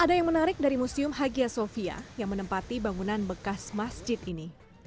ada yang menarik dari museum hagia sofia yang menempati bangunan bekas masjid ini